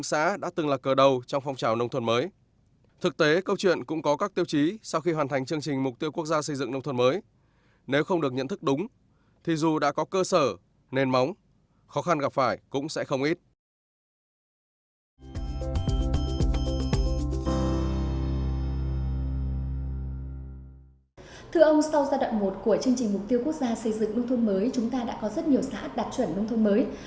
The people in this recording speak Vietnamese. sau đợt một của chương trình mục tiêu quốc gia xây dựng nông thôn mới chúng ta đã có rất nhiều xã đạt chuẩn nông thôn mới